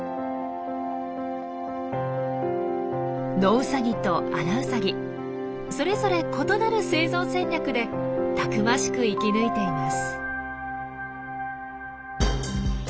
ノウサギとアナウサギそれぞれ異なる生存戦略でたくましく生き抜いています。